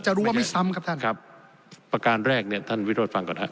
รู้ว่าไม่ซ้ำครับท่านครับประการแรกเนี่ยท่านวิโรธฟังก่อนฮะ